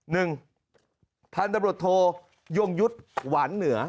นึงท่านตำรวจโทย่วงยุทฮ์หวันเหนือ